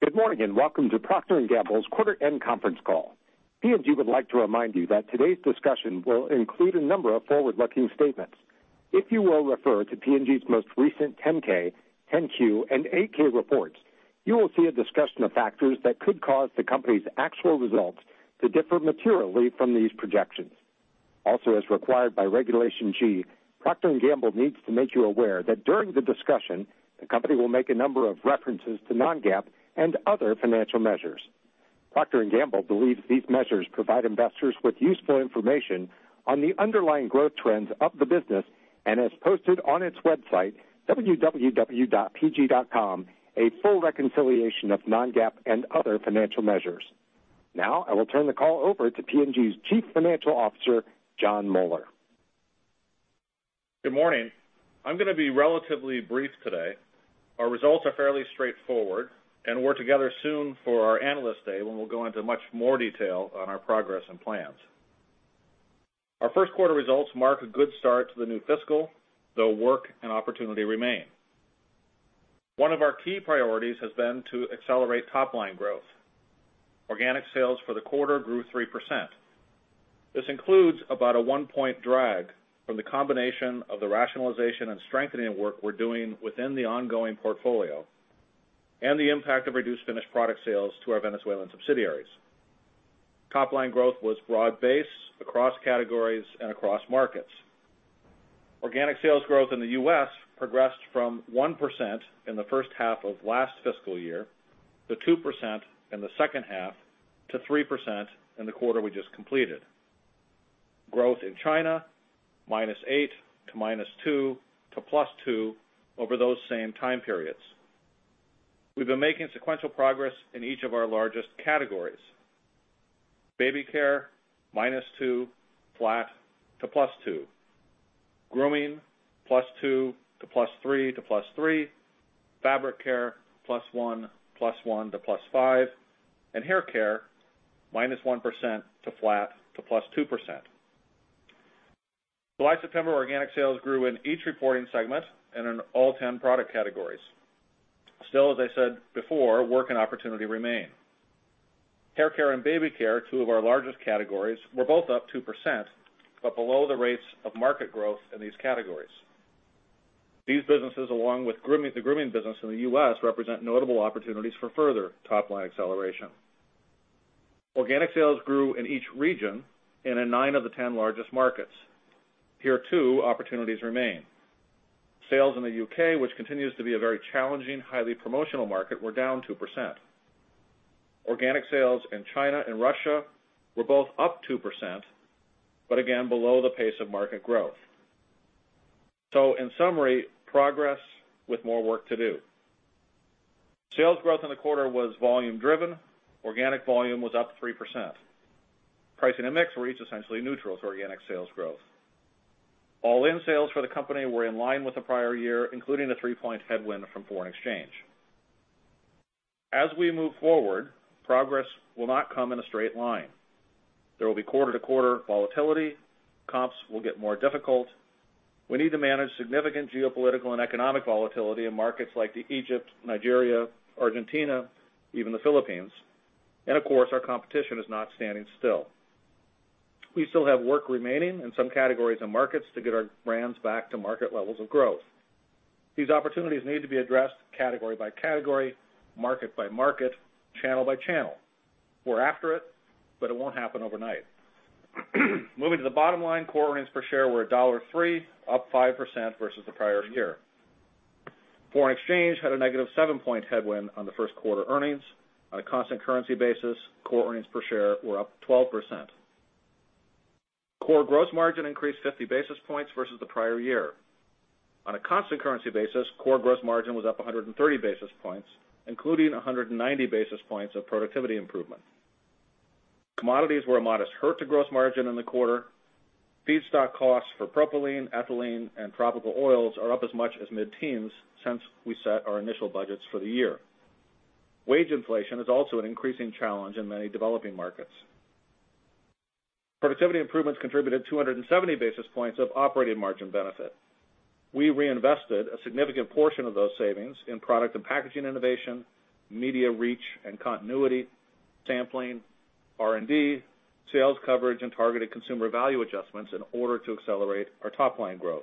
Good morning, and welcome to Procter & Gamble's quarter end conference call. P&G would like to remind you that today's discussion will include a number of forward-looking statements. If you will refer to P&G's most recent 10-K, 10-Q, and 8-K reports, you will see a discussion of factors that could cause the company's actual results to differ materially from these projections. As required by Regulation G, Procter & Gamble needs to make you aware that during the discussion, the company will make a number of references to non-GAAP and other financial measures. Procter & Gamble believes these measures provide investors with useful information on the underlying growth trends of the business, and has posted on its website, www.pg.com, a full reconciliation of non-GAAP and other financial measures. I will turn the call over to P&G's Chief Financial Officer, Jon Moeller. Good morning. I'm going to be relatively brief today. Our results are fairly straightforward, we're together soon for our Analyst Day, when we'll go into much more detail on our progress and plans. Our first quarter results mark a good start to the new fiscal, though work and opportunity remain. One of our key priorities has been to accelerate top-line growth. Organic sales for the quarter grew 3%. This includes about a one-point drag from the combination of the rationalization and strengthening work we're doing within the ongoing portfolio, and the impact of reduced finished product sales to our Venezuelan subsidiaries. Top-line growth was broad-based across categories and across markets. Organic sales growth in the U.S. progressed from 1% in the first half of last fiscal year, to 2% in the second half, to 3% in the quarter we just completed. Growth in China, -8%, to -2%, to +2% over those same time periods. We've been making sequential progress in each of our largest categories. Baby care, -2%, flat, to +2%. Grooming, +2%, to +3%, to +3%. Fabric care, +1%, +1%, to +5%. Hair care, -1%, to flat, to +2%. July, September organic sales grew in each reporting segment and in all 10 product categories. As I said before, work and opportunity remain. Hair care and baby care, two of our largest categories, were both up 2%, but below the rates of market growth in these categories. These businesses, along with the grooming business in the U.S., represent notable opportunities for further top-line acceleration. Organic sales grew in each region and in nine of the 10 largest markets. Here, too, opportunities remain. Sales in the U.K., which continues to be a very challenging, highly promotional market, were down 2%. Organic sales in China and Russia were both up 2%, but again, below the pace of market growth. In summary, progress with more work to do. Sales growth in the quarter was volume driven. Organic volume was up 3%. Pricing and mix were each essentially neutral to organic sales growth. All-in sales for the company were in line with the prior year, including the three-point headwind from foreign exchange. As we move forward, progress will not come in a straight line. There will be quarter-to-quarter volatility. Comps will get more difficult. We need to manage significant geopolitical and economic volatility in markets like Egypt, Nigeria, Argentina, even the Philippines. Of course, our competition is not standing still. We still have work remaining in some categories and markets to get our brands back to market levels of growth. These opportunities need to be addressed category by category, market by market, channel by channel. We're after it, but it won't happen overnight. Moving to the bottom line, core earnings per share were $1.03, up 5% versus the prior year. Foreign exchange had a negative 7-point headwind on the first quarter earnings. On a constant currency basis, core earnings per share were up 12%. Core gross margin increased 50 basis points versus the prior year. On a constant currency basis, core gross margin was up 130 basis points, including 190 basis points of productivity improvement. Commodities were a modest hurt to gross margin in the quarter. Feedstock costs for propylene, ethylene, and tropical oils are up as much as mid-teens since we set our initial budgets for the year. Wage inflation is also an increasing challenge in many developing markets. Productivity improvements contributed 270 basis points of operating margin benefit. We reinvested a significant portion of those savings in product and packaging innovation, media reach and continuity, sampling, R&D, sales coverage, and targeted consumer value adjustments in order to accelerate our top-line growth.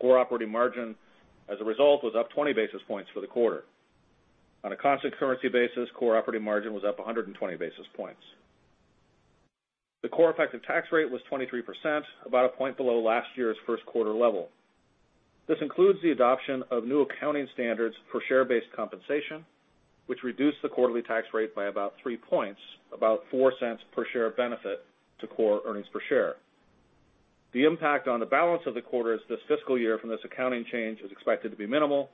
Core operating margin, as a result, was up 20 basis points for the quarter. On a constant currency basis, core operating margin was up 120 basis points. The core effective tax rate was 23%, about a point below last year's first quarter level. This includes the adoption of new accounting standards for share-based compensation, which reduced the quarterly tax rate by about 3 points, about $0.04 per share benefit to core earnings per share. The impact on the balance of the quarters this fiscal year from this accounting change is expected to be minimal.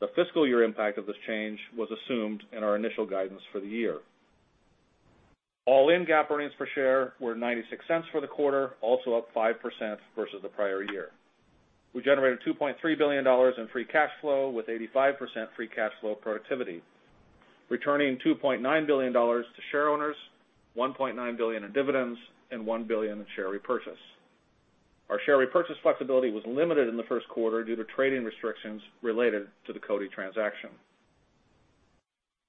The fiscal year impact of this change was assumed in our initial guidance for the year. All-in GAAP earnings per share were $0.96 for the quarter, also up 5% versus the prior year. We generated $2.3 billion in free cash flow with 85% free cash flow productivity, returning $2.9 billion to shareowners, $1.9 billion in dividends, and $1 billion in share repurchase. Our share repurchase flexibility was limited in the first quarter due to trading restrictions related to the Coty transaction.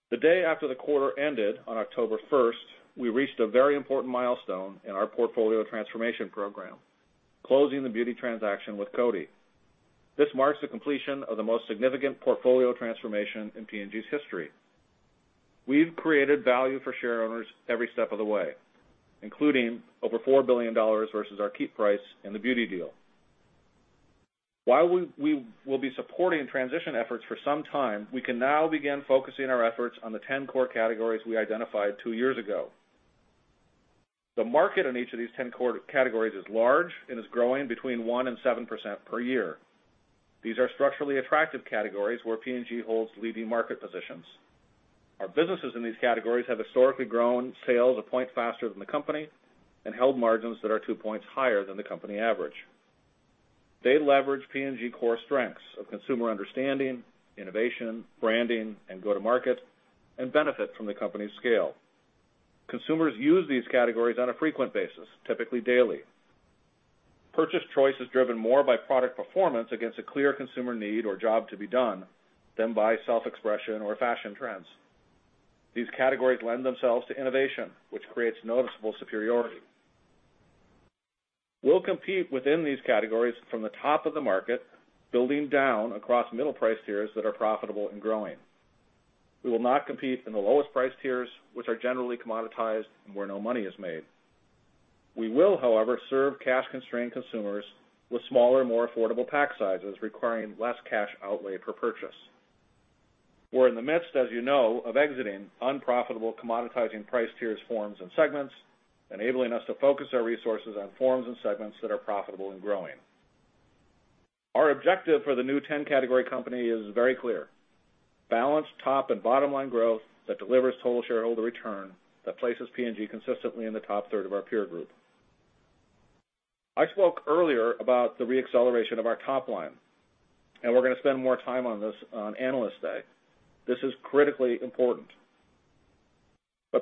The day after the quarter ended on October 1st, we reached a very important milestone in our portfolio transformation program, closing the beauty transaction with Coty. This marks the completion of the most significant portfolio transformation in P&G's history. We've created value for shareowners every step of the way, including over $4 billion versus our keep price in the beauty deal. While we will be supporting transition efforts for some time, we can now begin focusing our efforts on the 10 core categories we identified 2 years ago. The market in each of these 10 core categories is large and is growing between 1 and 7% per year. These are structurally attractive categories where P&G holds leading market positions. Our businesses in these categories have historically grown sales a point faster than the company and held margins that are 2 points higher than the company average. They leverage P&G core strengths of consumer understanding, innovation, branding, and go to market, and benefit from the company's scale. Consumers use these categories on a frequent basis, typically daily. Purchase choice is driven more by product performance against a clear consumer need or job to be done than by self-expression or fashion trends. These categories lend themselves to innovation, which creates noticeable superiority. We'll compete within these categories from the top of the market, building down across middle price tiers that are profitable and growing. We will not compete in the lowest price tiers, which are generally commoditized and where no money is made. We will, however, serve cash-constrained consumers with smaller, more affordable pack sizes requiring less cash outlay per purchase. We're in the midst, as you know, of exiting unprofitable, commoditizing price tiers, forms, and segments, enabling us to focus our resources on forms and segments that are profitable and growing. Our objective for the new 10-category company is very clear. Balanced top and bottom-line growth that delivers total shareholder return that places P&G consistently in the top third of our peer group. I spoke earlier about the re-acceleration of our top line. We're going to spend more time on this on Analyst Day. This is critically important.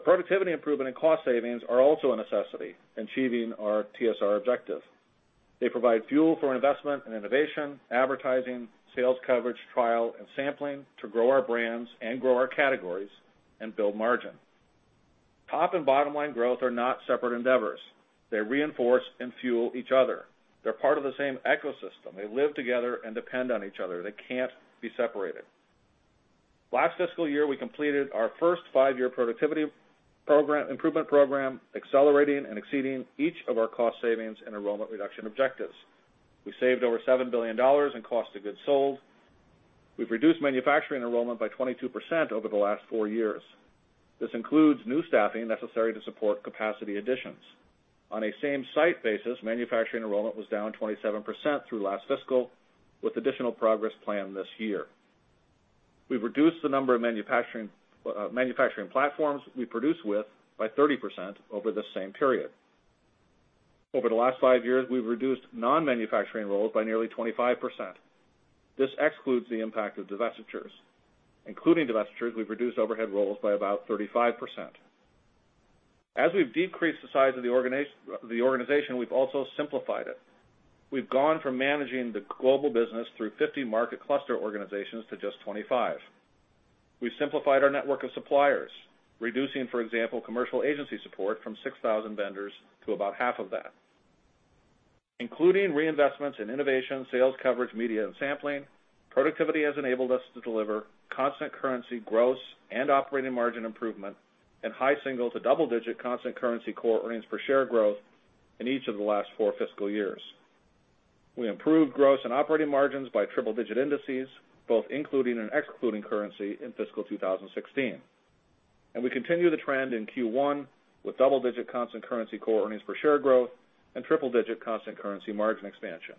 Productivity improvement and cost savings are also a necessity in achieving our TSR objective. They provide fuel for investment in innovation, advertising, sales coverage, trial, and sampling to grow our brands and grow our categories and build margin. Top and bottom-line growth are not separate endeavors. They reinforce and fuel each other. They're part of the same ecosystem. They live together and depend on each other. They can't be separated. Last fiscal year, we completed our first five-year productivity improvement program, accelerating and exceeding each of our cost savings and enrollment reduction objectives. We saved over $7 billion in cost of goods sold. We've reduced manufacturing enrollment by 22% over the last four years. This includes new staffing necessary to support capacity additions. On a same site basis, manufacturing enrollment was down 27% through last fiscal, with additional progress planned this year. We've reduced the number of manufacturing platforms we produce with by 30% over the same period. Over the last five years, we've reduced non-manufacturing roles by nearly 25%. This excludes the impact of divestitures. Including divestitures, we've reduced overhead roles by about 35%. As we've decreased the size of the organization, we've also simplified it. We've gone from managing the global business through 50 market cluster organizations to just 25. We've simplified our network of suppliers, reducing, for example, commercial agency support from 6,000 vendors to about half of that. Including reinvestments in innovation, sales coverage, media, and sampling, productivity has enabled us to deliver constant currency gross and operating margin improvement and high single to double-digit constant currency core earnings per share growth in each of the last four fiscal years. We improved gross and operating margins by triple-digit indices, both including and excluding currency in fiscal 2016. We continue the trend in Q1 with double-digit constant currency core earnings per share growth and triple-digit constant currency margin expansion.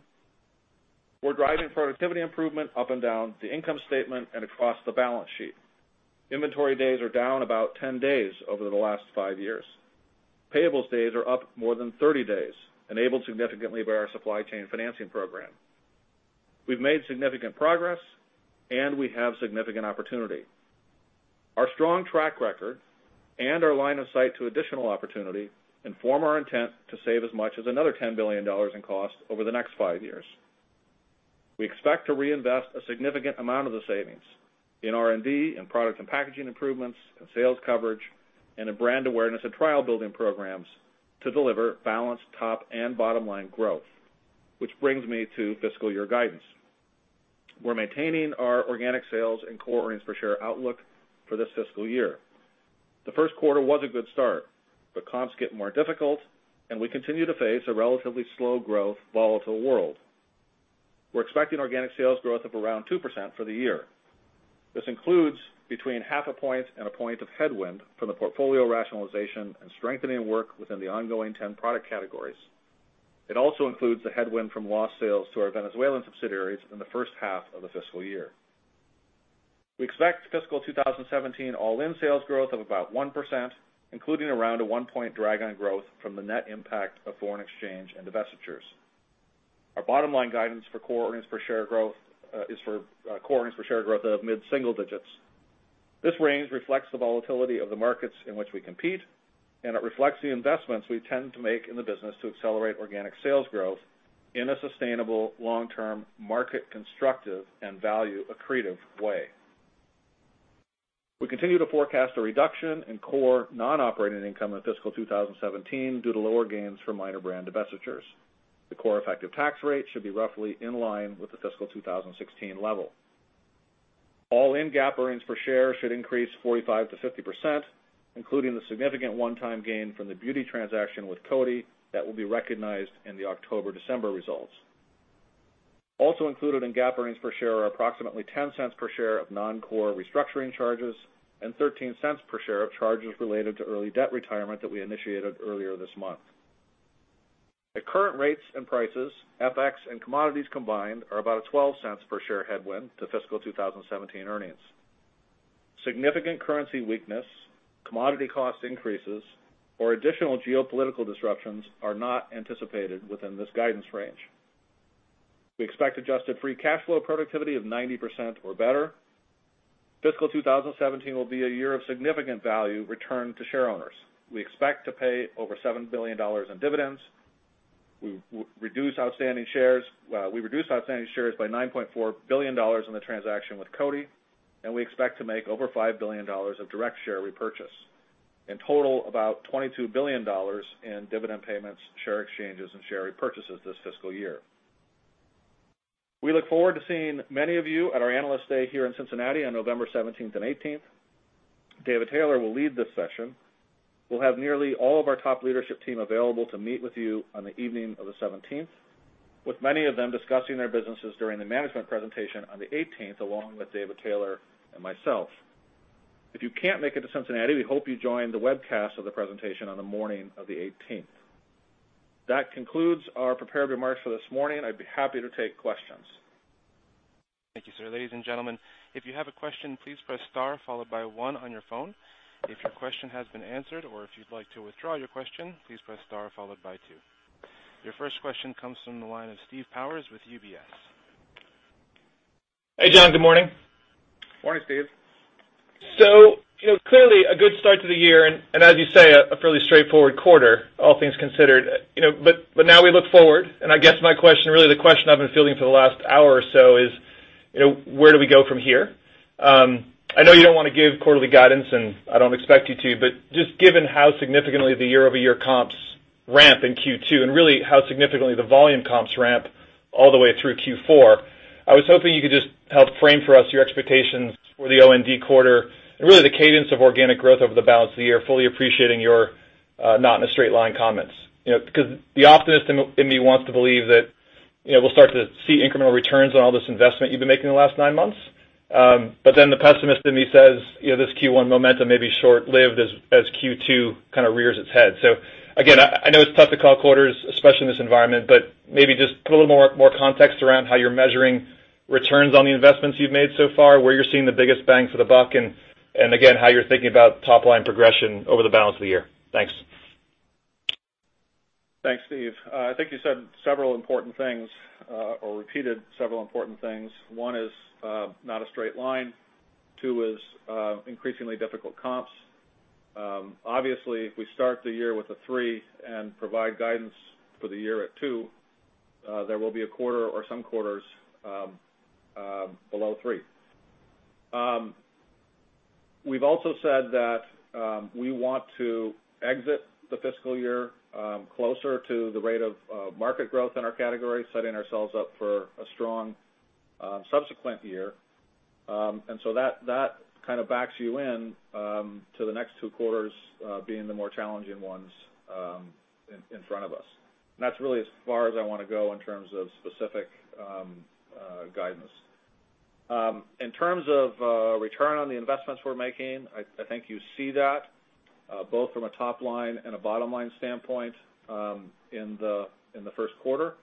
We're driving productivity improvement up and down the income statement and across the balance sheet. Inventory days are down about 10 days over the last five years. Payables days are up more than 30 days, enabled significantly by our supply chain financing program. We've made significant progress. We have significant opportunity. Our strong track record and our line of sight to additional opportunity inform our intent to save as much as another $10 billion in cost over the next five years. We expect to reinvest a significant amount of the savings in R&D, in product and packaging improvements, in sales coverage, and in brand awareness and trial-building programs to deliver balanced top and bottom-line growth, which brings me to fiscal year guidance. We're maintaining our organic sales and core earnings per share outlook for this fiscal year. The first quarter was a good start, but comps get more difficult, and we continue to face a relatively slow growth, volatile world. We're expecting organic sales growth of around 2% for the year. This includes between half a point and a point of headwind from the portfolio rationalization and strengthening work within the ongoing 10 product categories. It also includes the headwind from lost sales to our Venezuelan subsidiaries in the first half of the fiscal year. We expect fiscal 2017 all-in sales growth of about 1%, including around a one-point drag on growth from the net impact of foreign exchange and divestitures. Our bottom line guidance for core earnings per share growth is for core earnings per share growth of mid-single digits. This range reflects the volatility of the markets in which we compete, and it reflects the investments we tend to make in the business to accelerate organic sales growth in a sustainable long-term, market-constructive and value-accretive way. We continue to forecast a reduction in core non-operating income in fiscal 2017 due to lower gains from minor brand divestitures. The core effective tax rate should be roughly in line with the fiscal 2016 level. All-in GAAP earnings per share should increase 45%-50%, including the significant one-time gain from the beauty transaction with Coty that will be recognized in the October-December results. Also included in GAAP earnings per share are approximately $0.10 per share of non-core restructuring charges and $0.13 per share of charges related to early debt retirement that we initiated earlier this month. At current rates and prices, FX and commodities combined are about a $0.12 per share headwind to fiscal 2017 earnings. Significant currency weakness, commodity cost increases, or additional geopolitical disruptions are not anticipated within this guidance range. We expect adjusted free cash flow productivity of 90% or better. Fiscal 2017 will be a year of significant value returned to share owners. We expect to pay over $7 billion in dividends. We reduced outstanding shares by $9.4 billion in the transaction with Coty, and we expect to make over $5 billion of direct share repurchase. In total, about $22 billion in dividend payments, share exchanges, and share repurchases this fiscal year. We look forward to seeing many of you at our Analyst Day here in Cincinnati on November 17th and 18th. David Taylor will lead this session. We'll have nearly all of our top leadership team available to meet with you on the evening of the 17th, with many of them discussing their businesses during the management presentation on the 18th, along with David Taylor and myself. If you can't make it to Cincinnati, we hope you join the webcast of the presentation on the morning of the 18th. That concludes our prepared remarks for this morning. I'd be happy to take questions. Thank you, sir. Ladies and gentlemen, if you have a question, please press star followed by one on your phone. If your question has been answered or if you'd like to withdraw your question, please press star followed by two. Your first question comes from the line of Steve Powers with UBS. Hey, Jon. Good morning. Morning, Steve. Clearly, a good start to the year, as you say, a fairly straightforward quarter, all things considered. Now we look forward, I guess my question, really the question I've been fielding for the last hour or so is, where do we go from here? I know you don't want to give quarterly guidance, I don't expect you to, just given how significantly the year-over-year comps ramp in Q2, really how significantly the volume comps ramp all the way through Q4, I was hoping you could just help frame for us your expectations for the OND quarter and really the cadence of organic growth over the balance of the year, fully appreciating your not-in-a-straight-line comments. The optimist in me wants to believe that we'll start to see incremental returns on all this investment you've been making in the last nine months. The pessimist in me says, this Q1 momentum may be short-lived as Q2 kind of rears its head. Again, I know it's tough to call quarters, especially in this environment, but maybe just put a little more context around how you're measuring returns on the investments you've made so far, where you're seeing the biggest bang for the buck, and again, how you're thinking about top-line progression over the balance of the year. Thanks. Thanks, Steve. I think you said several important things, or repeated several important things. One is not a straight line. Two is increasingly difficult comps. Obviously, if we start the year with a three and provide guidance for the year at two, there will be a quarter or some quarters below three. We've also said that we want to exit the fiscal year closer to the rate of market growth in our category, setting ourselves up for a strong subsequent year. That kind of backs you in to the next two quarters being the more challenging ones in front of us. That's really as far as I want to go in terms of specific guidance. In terms of return on the investments we're making, I think you see that both from a top-line and a bottom-line standpoint in the first quarter.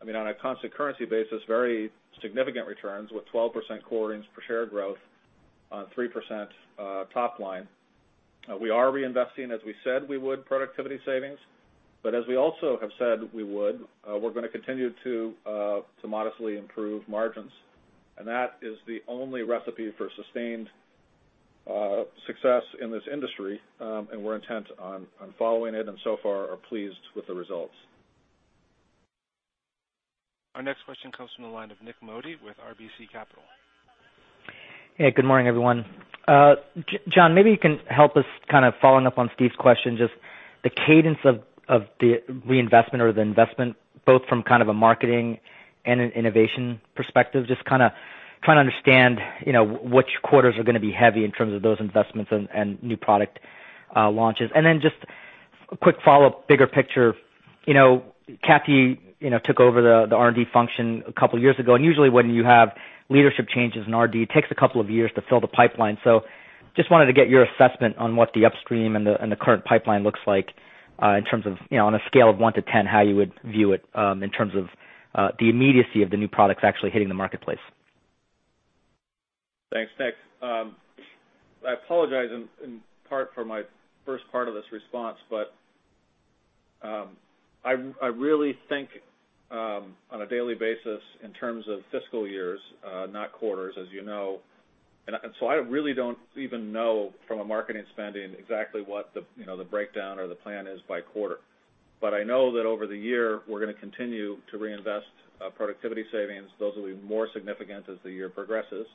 On a constant currency basis, very significant returns with 12% core earnings per share growth on 3% top line. We are reinvesting, as we said we would, productivity savings. As we also have said we would, we're going to continue to modestly improve margins. That is the only recipe for sustained success in this industry, and we're intent on following it and so far are pleased with the results. Our next question comes from the line of Nik Modi with RBC Capital. Hey, good morning, everyone. Jon, maybe you can help us, kind of following up on Steve's question, just the cadence of the reinvestment or the investment, both from kind of a marketing and an innovation perspective. Just trying to understand which quarters are going to be heavy in terms of those investments and new product launches. Just a quick follow-up, bigger picture. Kathy took over the R&D function a couple of years ago, and usually when you have leadership changes in R&D, it takes a couple of years to fill the pipeline. Just wanted to get your assessment on what the upstream and the current pipeline looks like in terms of, on a scale of one to 10, how you would view it in terms of the immediacy of the new products actually hitting the marketplace. Thanks, Nik. I apologize in part for my first part of this response, I really think on a daily basis in terms of fiscal years, not quarters, as you know. I really don't even know from a marketing spending exactly what the breakdown or the plan is by quarter. I know that over the year, we're going to continue to reinvest productivity savings. Those will be more significant as the year progresses.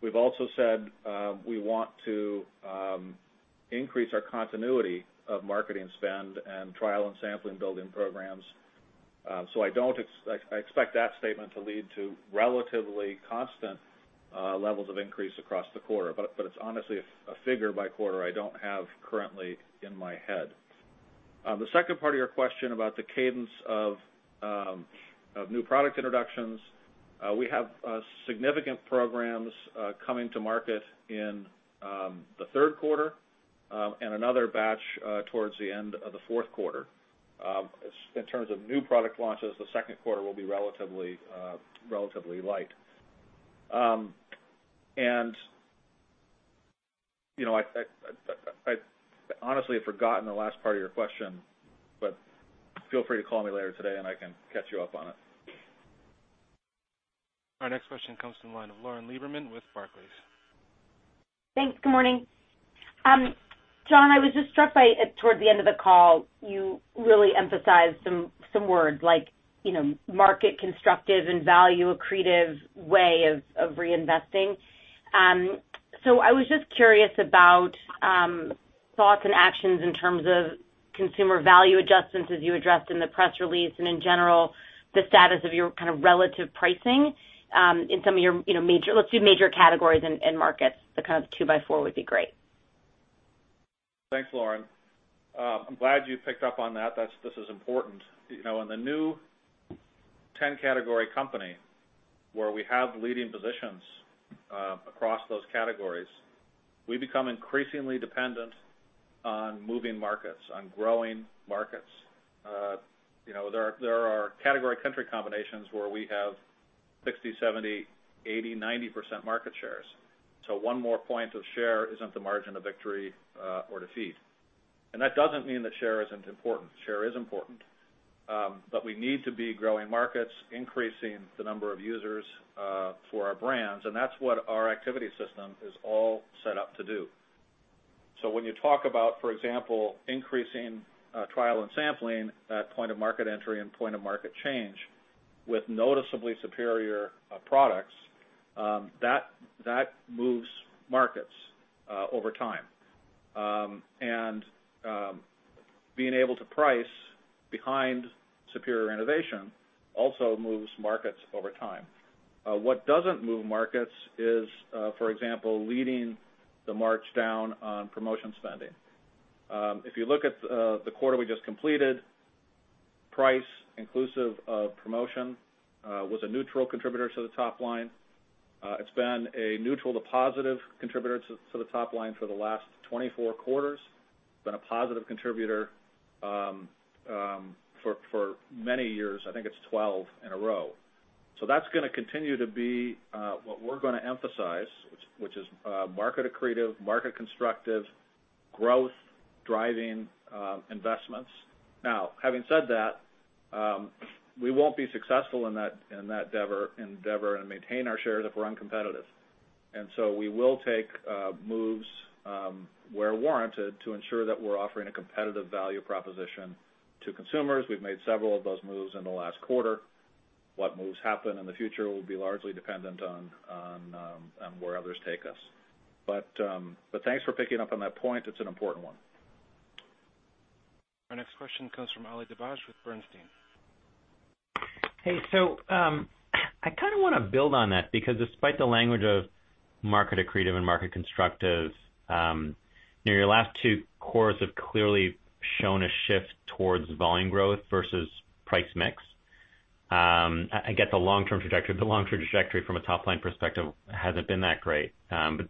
We've also said we want to increase our continuity of marketing spend and trial and sampling building programs. I expect that statement to lead to relatively constant levels of increase across the quarter. It's honestly a figure by quarter I don't have currently in my head. The second part of your question about the cadence of new product introductions. We have significant programs coming to market in the third quarter, another batch towards the end of the fourth quarter. In terms of new product launches, the second quarter will be relatively light. I honestly have forgotten the last part of your question, feel free to call me later today and I can catch you up on it. Our next question comes from the line of Lauren Lieberman with Barclays. Thanks. Good morning. Jon, I was just struck by, towards the end of the call, you really emphasized some words like, market constructive and value accretive way of reinvesting. I was just curious about thoughts and actions in terms of consumer value adjustments as you addressed in the press release, and in general, the status of your relative pricing in some of your, let's do major categories and markets. The kind of two by four would be great. Thanks, Lauren. I'm glad you picked up on that. This is important. In the new 10-category company where we have leading positions across those categories, we become increasingly dependent on moving markets, on growing markets. There are category country combinations where we have 60%, 70%, 80%, 90% market shares. One more point of share isn't the margin of victory or defeat. That doesn't mean that share isn't important. Share is important. We need to be growing markets, increasing the number of users for our brands, and that's what our activity system is all set up to do. When you talk about, for example, increasing trial and sampling, that point of market entry and point of market change with noticeably superior products, that moves markets over time. Being able to price behind superior innovation also moves markets over time. What doesn't move markets is, for example, leading the march down on promotion spending. If you look at the quarter we just completed, price inclusive of promotion, was a neutral contributor to the top line. It's been a neutral to positive contributor to the top line for the last 24 quarters. It's been a positive contributor for many years, I think it's 12 in a row. That's going to continue to be what we're going to emphasize, which is market accretive, market constructive, growth-driving investments. Now, having said that, we won't be successful in that endeavor and maintain our share if we're uncompetitive. We will take moves where warranted to ensure that we're offering a competitive value proposition to consumers. We've made several of those moves in the last quarter. What moves happen in the future will be largely dependent on where others take us. Thanks for picking up on that point. It's an important one. Our next question comes from Oli Devosh with Bernstein. Hey, I want to build on that because despite the language of market accretive and market constructive, your last two quarters have clearly shown a shift towards volume growth versus price mix. I get the long-term trajectory, but the long-term trajectory from a top-line perspective hasn't been that great.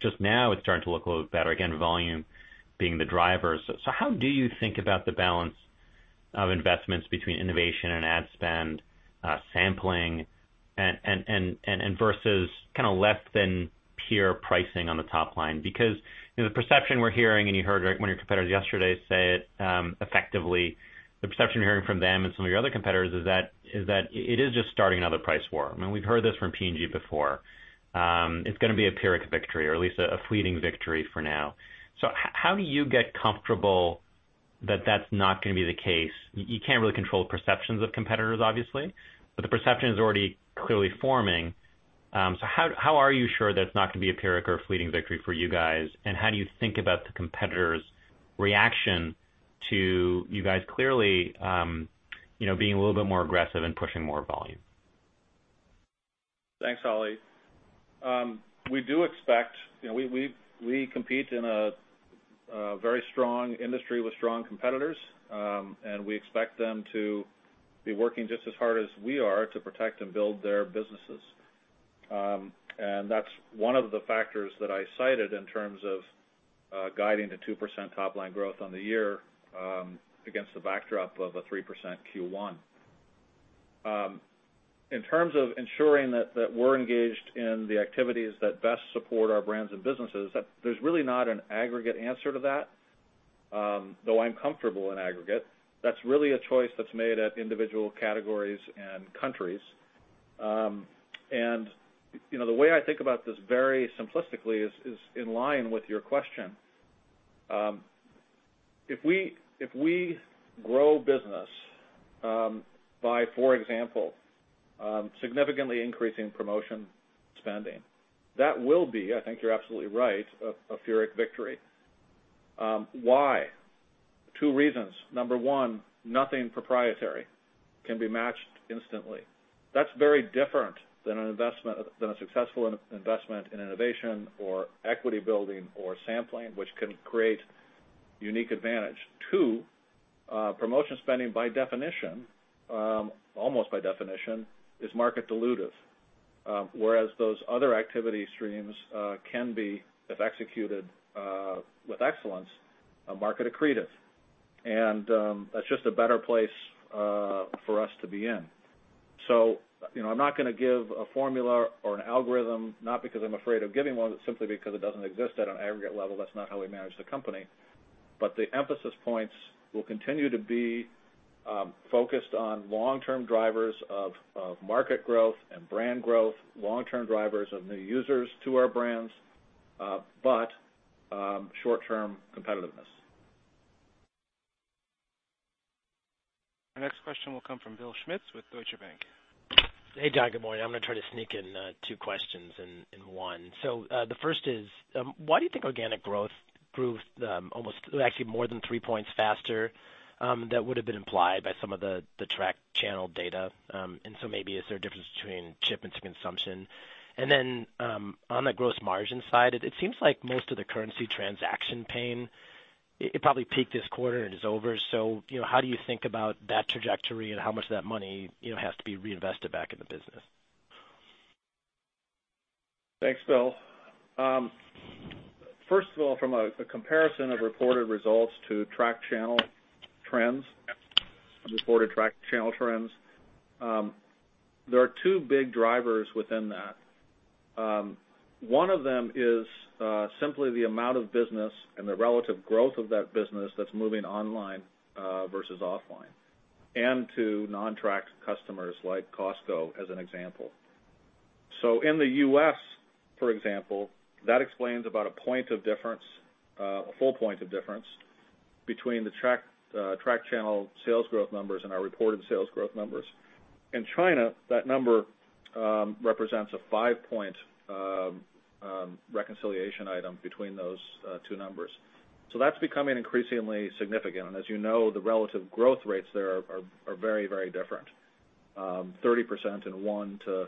Just now it's starting to look a little better, again, volume being the driver. How do you think about the balance of investments between innovation and ad spend, sampling, and versus less than peer pricing on the top line? The perception we're hearing, and you heard one of your competitors yesterday say it effectively, the perception you're hearing from them and some of your other competitors is that it is just starting another price war. We've heard this from P&G before. It's going to be a pyrrhic victory or at least a fleeting victory for now. How do you get comfortable that that's not going to be the case? You can't really control the perceptions of competitors, obviously, but the perception is already clearly forming. How are you sure that it's not going to be a pyrrhic or fleeting victory for you guys? How do you think about the competitor's reaction to you guys clearly being a little bit more aggressive and pushing more volume? Thanks, Oli. We compete in a very strong industry with strong competitors, we expect them to be working just as hard as we are to protect and build their businesses. That's one of the factors that I cited in terms of guiding the 2% top-line growth on the year against the backdrop of a 3% Q1. In terms of ensuring that we're engaged in the activities that best support our brands and businesses, there's really not an aggregate answer to that. Though I'm comfortable in aggregate, that's really a choice that's made at individual categories and countries. The way I think about this very simplistically is in line with your question. If we grow business by, for example, significantly increasing promotion spending, that will be, I think you're absolutely right, a pyrrhic victory. Why? Two reasons. Number one, nothing proprietary can be matched instantly. That's very different than a successful investment in innovation or equity building or sampling, which can create unique advantage. Two, promotion spending, almost by definition, is market dilutive, whereas those other activity streams can be, if executed with excellence, market accretive. That's just a better place for us to be in. I'm not going to give a formula or an algorithm, not because I'm afraid of giving one, simply because it doesn't exist at an aggregate level. That's not how we manage the company. The emphasis points will continue to be focused on long-term drivers of market growth and brand growth, long-term drivers of new users to our brands, but short-term competitiveness. Our next question will come from Bill Schmitz with Deutsche Bank. Hey, Jon. Good morning. I'm going to try to sneak in two questions in one. The first is, why do you think organic growth grew actually more than three points faster than would have been implied by some of the track channel data? Maybe, is there a difference between shipments and consumption? Then, on the gross margin side, it seems like most of the currency transaction pain, it probably peaked this quarter and is over. How do you think about that trajectory, and how much of that money has to be reinvested back in the business? Thanks, Bill. First of all, from a comparison of reported results to reported track channel trends, there are two big drivers within that. One of them is simply the amount of business and the relative growth of that business that's moving online versus offline, and to non-tracked customers like Costco, as an example. In the U.S., for example, that explains about a full point of difference between the track channel sales growth numbers and our reported sales growth numbers. In China, that number represents a five-point reconciliation item between those two numbers. That's becoming increasingly significant. As you know, the relative growth rates there are very different. 30% in one to,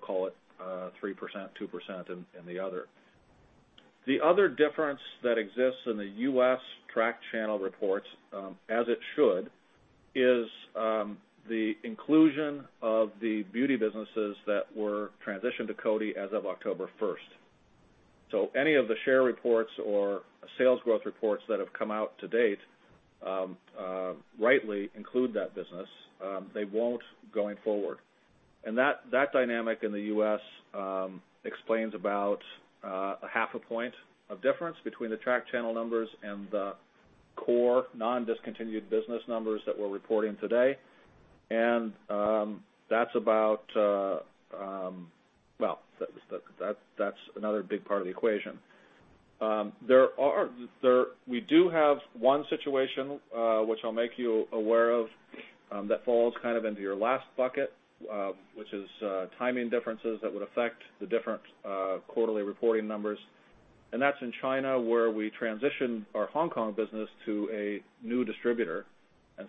call it, 3%, 2% in the other. The other difference that exists in the U.S. track channel reports, as it should, is the inclusion of the beauty businesses that were transitioned to Coty as of October 1st. Any of the share reports or sales growth reports that have come out to date rightly include that business. They won't going forward. That dynamic in the U.S. explains about a half a point of difference between the track channel numbers and the core non-discontinued business numbers that we're reporting today. That's another big part of the equation. We do have one situation, which I'll make you aware of, that falls into your last bucket, which is timing differences that would affect the different quarterly reporting numbers. That's in China, where we transitioned our Hong Kong business to a new distributor.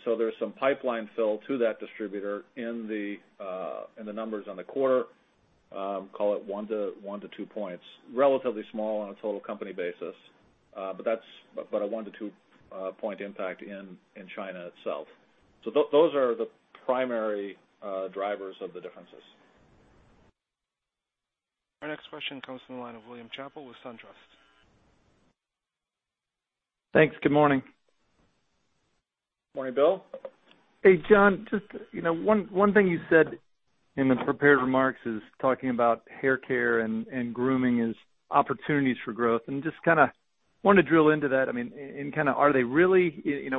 There's some pipeline fill to that distributor in the numbers on the quarter. Call it one to two points. Relatively small on a total company basis. A one-to-two point impact in China itself. Those are the primary drivers of the differences. Our next question comes from the line of William Chappell with SunTrust. Thanks. Good morning. Morning, Bill. Hey, Jon. Just one thing you said in the prepared remarks is talking about haircare and grooming as opportunities for growth, and just want to drill into that.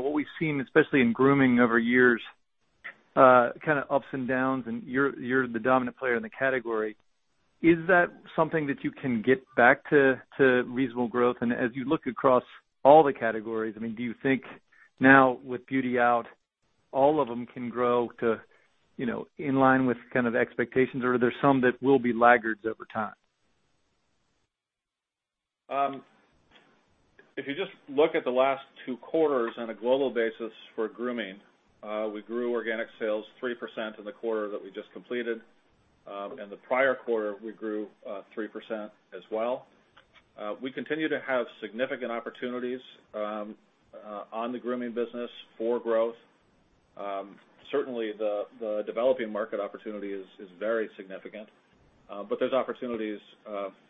What we've seen, especially in grooming over years, kind of ups and downs, and you're the dominant player in the category. Is that something that you can get back to reasonable growth? As you look across all the categories, do you think now with beauty out, all of them can grow to in line with expectations, or are there some that will be laggards over time? If you just look at the last two quarters on a global basis for grooming, we grew organic sales 3% in the quarter that we just completed. In the prior quarter, we grew 3% as well. We continue to have significant opportunities on the grooming business for growth. Certainly, the developing market opportunity is very significant. There's opportunities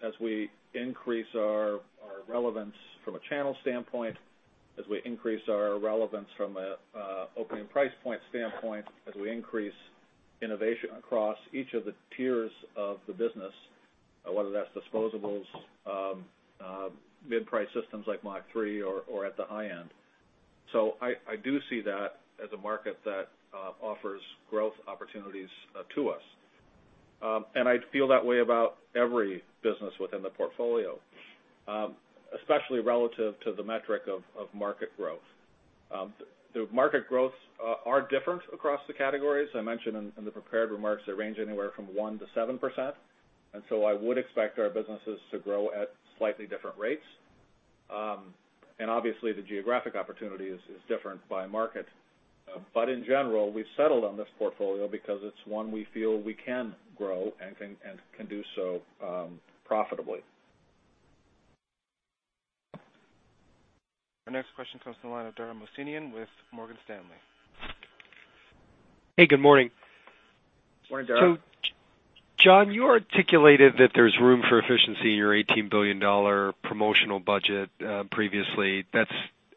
as we increase our relevance from a channel standpoint As we increase our relevance from an opening price point standpoint, as we increase innovation across each of the tiers of the business, whether that's disposables, mid-price systems like MACH3, or at the high end. I do see that as a market that offers growth opportunities to us. I feel that way about every business within the portfolio, especially relative to the metric of market growth. The market growths are different across the categories. I mentioned in the prepared remarks, they range anywhere from 1%-7%. I would expect our businesses to grow at slightly different rates. Obviously, the geographic opportunity is different by market. In general, we've settled on this portfolio because it's one we feel we can grow and can do so profitably. Our next question comes from the line of Dara Mohsenian with Morgan Stanley. Hey, good morning. Morning, Dara. Jon, you articulated that there's room for efficiency in your $18 billion promotional budget previously. That's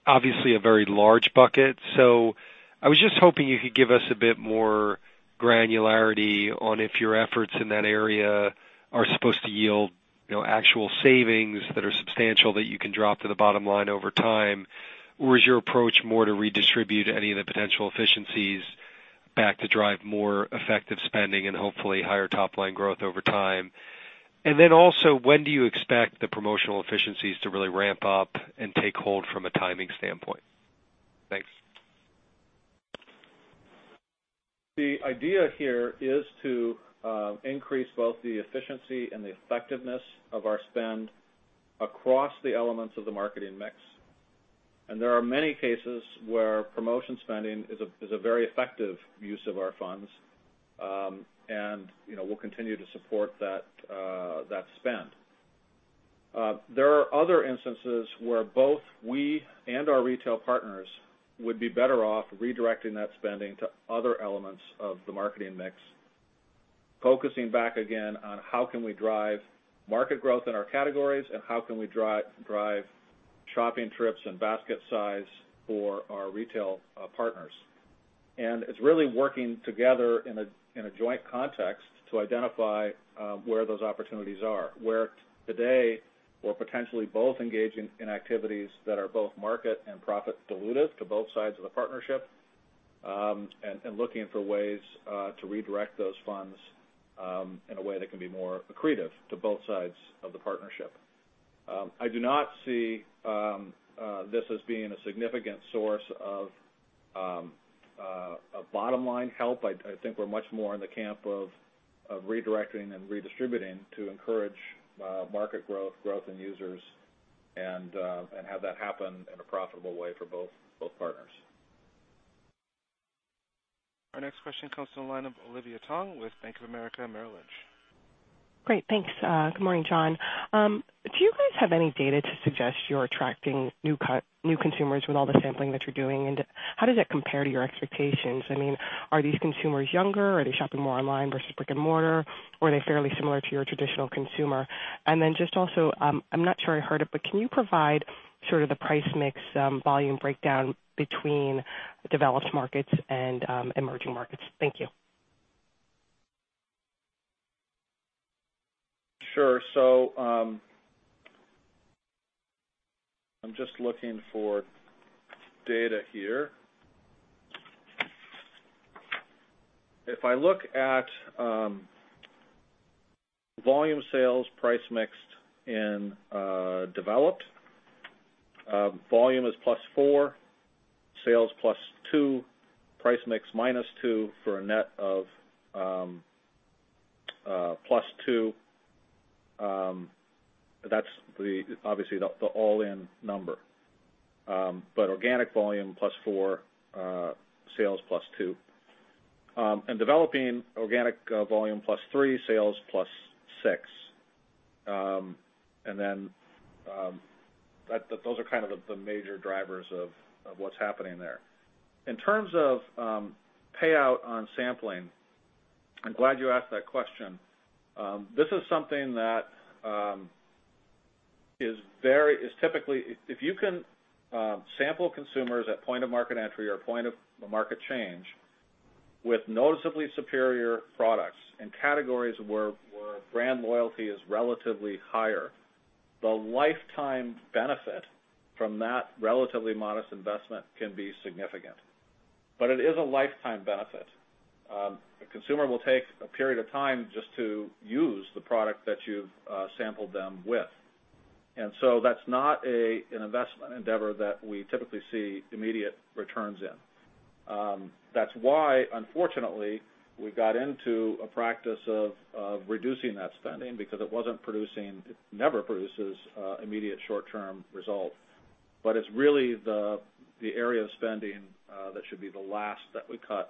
obviously a very large bucket. I was just hoping you could give us a bit more granularity on if your efforts in that area are supposed to yield actual savings that are substantial that you can drop to the bottom line over time, or is your approach more to redistribute any of the potential efficiencies back to drive more effective spending and hopefully higher top-line growth over time? Also, when do you expect the promotional efficiencies to really ramp up and take hold from a timing standpoint? Thanks. The idea here is to increase both the efficiency and the effectiveness of our spend across the elements of the marketing mix. There are many cases where promotion spending is a very effective use of our funds, and we'll continue to support that spend. There are other instances where both we and our retail partners would be better off redirecting that spending to other elements of the marketing mix, focusing back again on how can we drive market growth in our categories and how can we drive shopping trips and basket size for our retail partners. It's really working together in a joint context to identify where those opportunities are, where today we're potentially both engaging in activities that are both market and profit dilutive to both sides of the partnership, and looking for ways to redirect those funds in a way that can be more accretive to both sides of the partnership. I do not see this as being a significant source of bottom-line help. I think we're much more in the camp of redirecting and redistributing to encourage market growth in users, and have that happen in a profitable way for both partners. Our next question comes to the line of Olivia Tong with Bank of America Merrill Lynch. Great. Thanks. Good morning, Jon. Do you guys have any data to suggest you're attracting new consumers with all the sampling that you're doing, and how does that compare to your expectations? Are these consumers younger? Are they shopping more online versus brick and mortar, or are they fairly similar to your traditional consumer? Then just also, I'm not sure I heard it, but can you provide sort of the price mix volume breakdown between developed markets and emerging markets? Thank you. Sure. I'm just looking for data here. If I look at volume sales price mixed in developed, volume is +4, sales +2, price mix -2 for a net of +2. That's obviously the all-in number. Organic volume +4, sales +2. Developing organic volume +3, sales +6. Those are the major drivers of what's happening there. In terms of payout on sampling, I'm glad you asked that question. If you can sample consumers at point of market entry or point of market change with noticeably superior products in categories where brand loyalty is relatively higher, the lifetime benefit from that relatively modest investment can be significant. But it is a lifetime benefit. A consumer will take a period of time just to use the product that you've sampled them with. That's not an investment endeavor that we typically see immediate returns in. That's why, unfortunately, we got into a practice of reducing that spending because it never produces immediate short-term results. It's really the area of spending that should be the last that we cut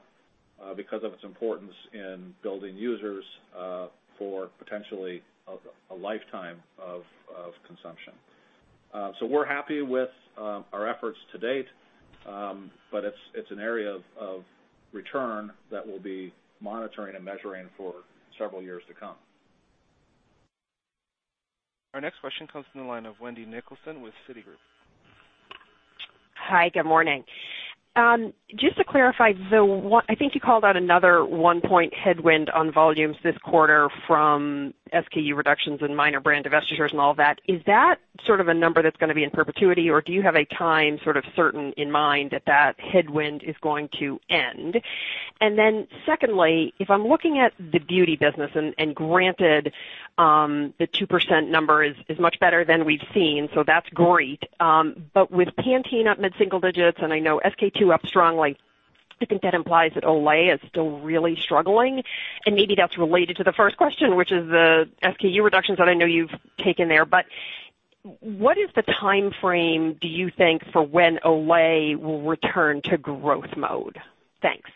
because of its importance in building users for potentially a lifetime of consumption. We're happy with our efforts to date, but it's an area of return that we'll be monitoring and measuring for several years to come. Our next question comes from the line of Wendy Nicholson with Citigroup. Hi. Good morning. Just to clarify, I think you called out another 1-point headwind on volumes this quarter from SKU reductions and minor brand divestitures and all that. Is that sort of a number that's going to be in perpetuity, or do you have a time certain in mind that that headwind is going to end? Secondly, if I'm looking at the beauty business, and granted, the 2% number is much better than we've seen, so that's great. With Pantene up mid-single digits, and I know SK-II up strongly, I think that implies that Olay is still really struggling, and maybe that's related to the first question, which is the SKU reductions that I know you've taken there. What is the timeframe, do you think, for when Olay will return to growth mode? Thanks.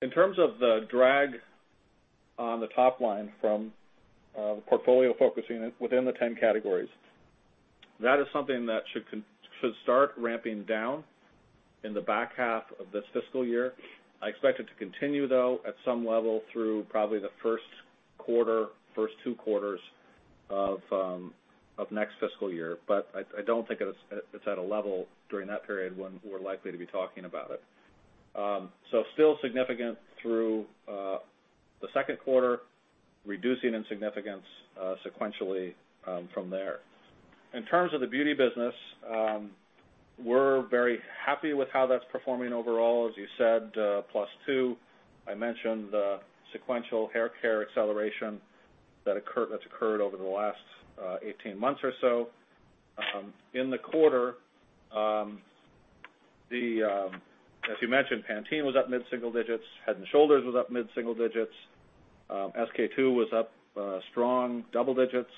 In terms of the drag on the top line from the portfolio focusing within the 10 categories, that is something that should start ramping down in the back half of this fiscal year. I expect it to continue, though, at some level through probably the first two quarters of next fiscal year. I don't think it's at a level during that period when we're likely to be talking about it. Still significant through the second quarter, reducing in significance sequentially from there. In terms of the beauty business, we're very happy with how that's performing overall. As you said, +2. I mentioned the sequential hair care acceleration that's occurred over the last 18 months or so. In the quarter, as you mentioned, Pantene was up mid-single digits. Head & Shoulders was up mid-single digits. SK-II was up strong double digits.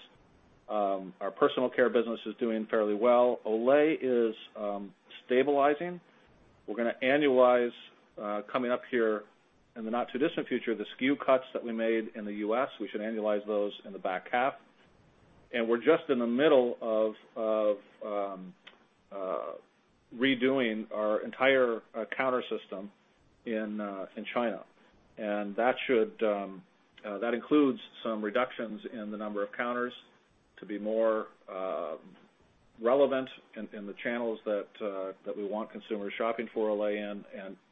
Our personal care business is doing fairly well. Olay is stabilizing. We're going to annualize coming up here in the not-too-distant future, the SKU cuts that we made in the U.S. We should annualize those in the back half. We're just in the middle of redoing our entire counter system in China. That includes some reductions in the number of counters to be more relevant in the channels that we want consumers shopping for Olay in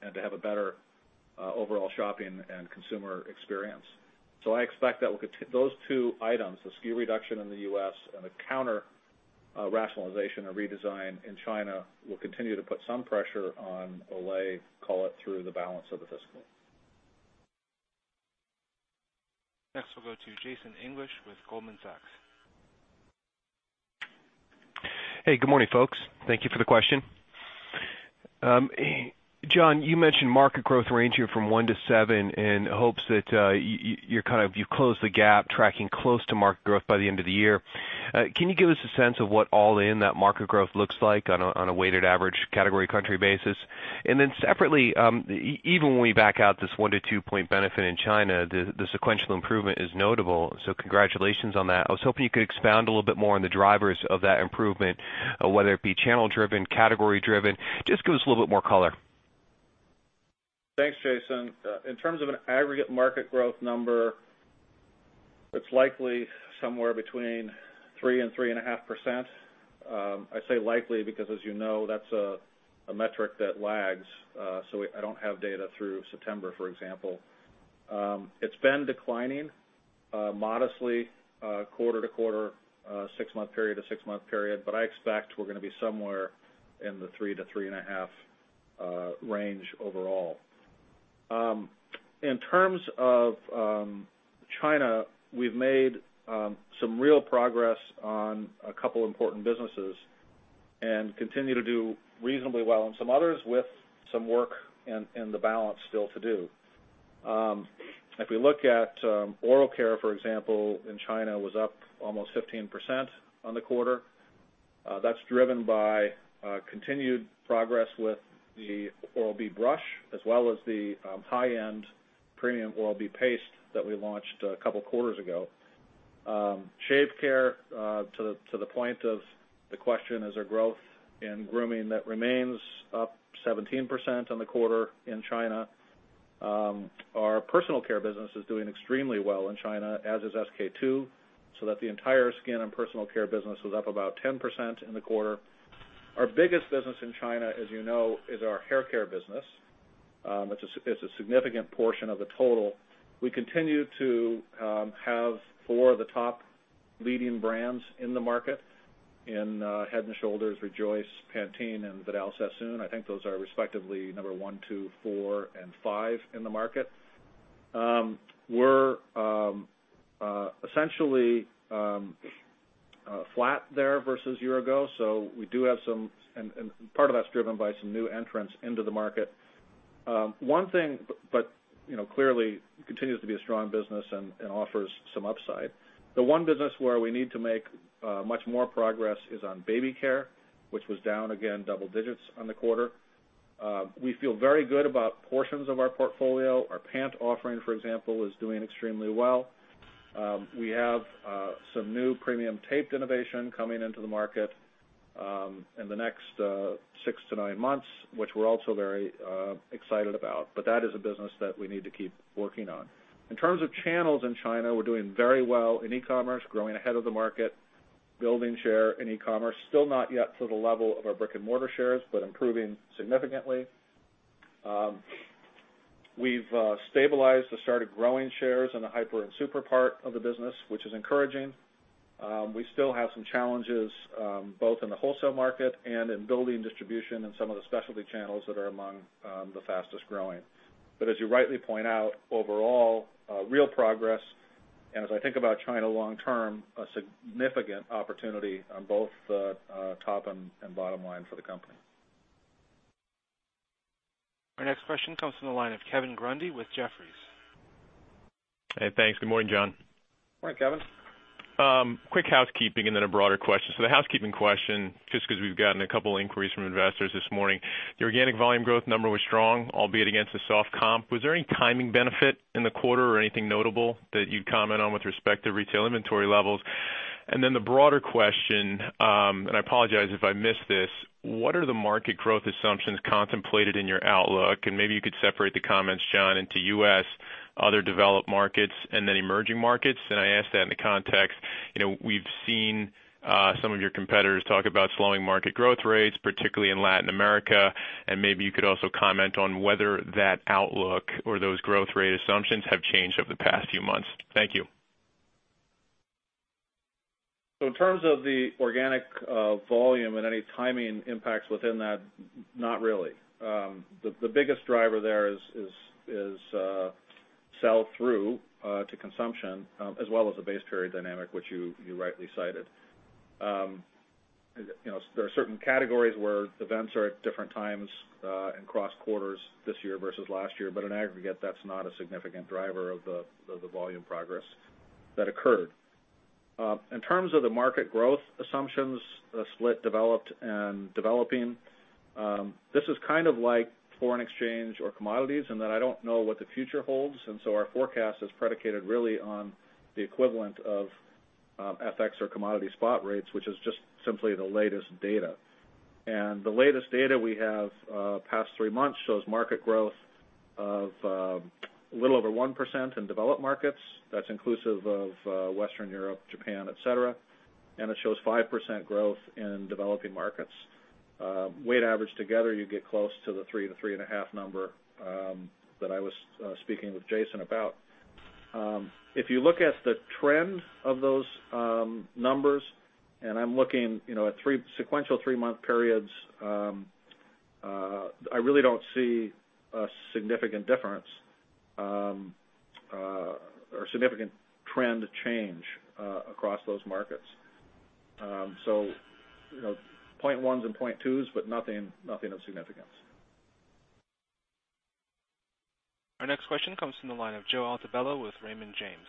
and to have a better overall shopping and consumer experience. I expect that those two items, the SKU reduction in the U.S. and the counter rationalization or redesign in China, will continue to put some pressure on Olay, call it through the balance of the fiscal. Next, we'll go to Jason English with Goldman Sachs. Hey, good morning, folks. Thank you for the question. Jon, you mentioned market growth ranging from 1-7 in hopes that you've closed the gap, tracking close to market growth by the end of the year. Can you give us a sense of what all in that market growth looks like on a weighted average category country basis? Then separately, even when we back out this 1- to 2-point benefit in China, the sequential improvement is notable. So congratulations on that. I was hoping you could expound a little bit more on the drivers of that improvement, whether it be channel-driven, category-driven. Just give us a little bit more color. Thanks, Jason. In terms of an aggregate market growth number, it's likely somewhere between 3%-3.5%. I say likely because as you know, that's a metric that lags. I don't have data through September, for example. It's been declining modestly quarter-to-quarter, six-month period-to-six-month period, I expect we're going to be somewhere in the 3%-3.5% range overall. In terms of China, we've made some real progress on a couple important businesses and continue to do reasonably well on some others with some work in the balance still to do. If we look at oral care, for example, in China, was up almost 15% on the quarter. That's driven by continued progress with the Oral-B brush as well as the high-end premium Oral-B paste that we launched a couple of quarters ago. Shave care, to the point of the question, is there growth in grooming that remains up 17% on the quarter in China. Our personal care business is doing extremely well in China, as is SK-II, so that the entire skin and personal care business was up about 10% in the quarter. Our biggest business in China, as you know, is our hair care business. It's a significant portion of the total. We continue to have four of the top leading brands in the market in Head & Shoulders, Rejoice, Pantene, and Vidal Sassoon. I think those are respectively number one, two, four, and five in the market. We're essentially flat there versus a year ago. Part of that's driven by some new entrants into the market. Clearly continues to be a strong business and offers some upside. The one business where we need to make much more progress is on baby care, which was down again double digits on the quarter. We feel very good about portions of our portfolio. Our pant offering, for example, is doing extremely well. We have some new premium taped innovation coming into the market. In the next six to nine months, which we're also very excited about. That is a business that we need to keep working on. In terms of channels in China, we're doing very well in e-commerce, growing ahead of the market, building share in e-commerce. Still not yet to the level of our brick-and-mortar shares, but improving significantly. We've stabilized and started growing shares in the hyper and super part of the business, which is encouraging. We still have some challenges both in the wholesale market and in building distribution in some of the specialty channels that are among the fastest-growing. As you rightly point out, overall, real progress. As I think about China long term, a significant opportunity on both the top and bottom line for the company. Our next question comes from the line of Kevin Grundy with Jefferies. Hey, thanks. Good morning, Jon. Morning, Kevin. Quick housekeeping and then a broader question. The housekeeping question, just because we've gotten a couple inquiries from investors this morning. The organic volume growth number was strong, albeit against a soft comp. Was there any timing benefit in the quarter or anything notable that you'd comment on with respect to retail inventory levels? Then the broader question, and I apologize if I missed this, what are the market growth assumptions contemplated in your outlook? Maybe you could separate the comments, Jon, into U.S., other developed markets, and then emerging markets. I ask that in the context, we've seen some of your competitors talk about slowing market growth rates, particularly in Latin America. Maybe you could also comment on whether that outlook or those growth rate assumptions have changed over the past few months. Thank you. In terms of the organic volume and any timing impacts within that, not really. The biggest driver there is sell-through to consumption, as well as the base period dynamic, which you rightly cited. There are certain categories where the vents are at different times and cross quarters this year versus last year. In aggregate, that's not a significant driver of the volume progress that occurred. In terms of the market growth assumptions, split, developed, and developing. This is kind of like foreign exchange or commodities in that I don't know what the future holds. Our forecast is predicated really on the equivalent of FX or commodity spot rates, which is just simply the latest data. The latest data we have, past three months, shows market growth of a little over 1% in developed markets. That's inclusive of Western Europe, Japan, et cetera. It shows 5% growth in developing markets. Weight averaged together, you get close to the three to three and a half number that I was speaking with Jason English about. If you look at the trend of those numbers, and I'm looking at sequential three-month periods, I really don't see a significant difference, or significant trend change across those markets. Point ones and point twos, but nothing of significance. Our next question comes from the line of Joe Altobello with Raymond James.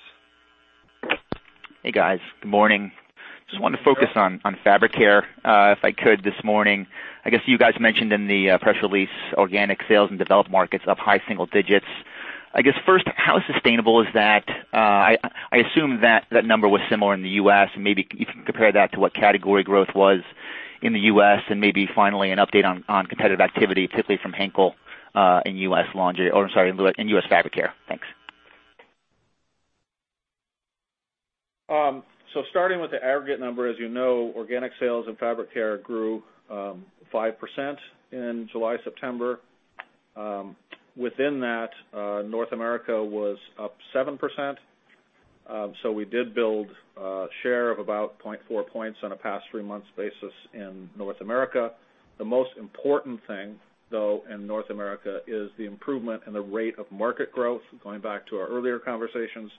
Hey, guys. Good morning. Just wanted to focus on Fabric Care, if I could this morning. I guess you guys mentioned in the press release, organic sales in developed markets up high single digits. I guess first, how sustainable is that? I assume that number was similar in the U.S., and maybe you can compare that to what category growth was in the U.S. Maybe finally, an update on competitive activity, particularly from Henkel in U.S. Fabric Care. Thanks. Starting with the aggregate number, as you know, organic sales in Fabric Care grew 5% in July, September. Within that, North America was up 7%. We did build share of about 0.4 points on a past three-month basis in North America. The most important thing, though, in North America is the improvement in the rate of market growth, going back to our earlier conversations.